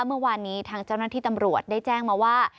เมื่อวานนี้ทางเจ้าหน้าที่ตำรวจได้แจ้งมาว่า